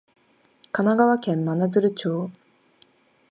神奈川県真鶴町